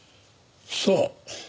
そう。